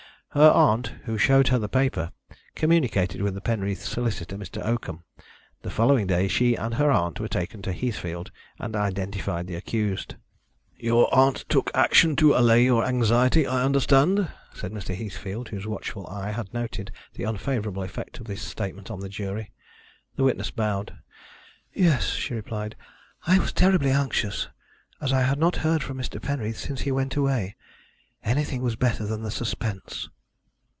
Her aunt, who showed her the paper, communicated with the Penreaths' solicitor, Mr. Oakham. The following day she and her aunt were taken to Heathfield and identified the accused. "Your aunt took action to allay your anxiety, I understand?" said Mr. Heathfield, whose watchful eye had noted the unfavourable effect of this statement on the jury. The witness bowed. "Yes," she replied. "I was terribly anxious, as I had not heard from Mr. Penreath since he went away. Anything was better than the suspense."